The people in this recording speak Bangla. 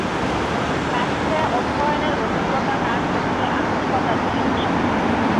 প্যারিসে অধ্যয়নের অভিজ্ঞতা তার চিত্রে আধুনিকতা নিয়ে আসে।